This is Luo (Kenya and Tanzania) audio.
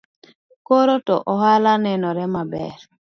Koro to ohala nenore maber